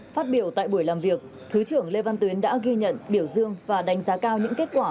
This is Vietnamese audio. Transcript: phát biểu tại buổi làm việc thứ trưởng lê văn tuyến đã ghi nhận biểu dương và đánh giá cao những kết quả